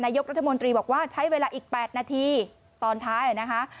ยกรัฐมนตรีบอกว่าใช้เวลาอีก๘นาทีตอนท้ายนะคะ